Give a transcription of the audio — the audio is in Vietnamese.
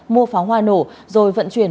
mua pháo hoa nổ rồi vận chuyển